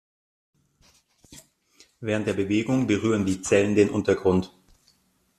Während der Bewegung berühren die Zellen den Untergrund.